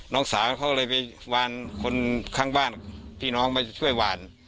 น้องสาวเขาเลยไปวานคนข้างบ้านพี่น้องมาช่วยหวาน